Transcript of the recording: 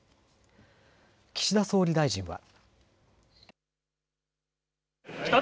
岸田総理大臣は。